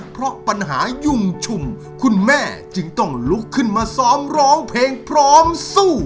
เพราะปัญหายุ่งชุมคุณแม่จึงต้องลุกขึ้นมาซ้อมร้องเพลงพร้อมสู้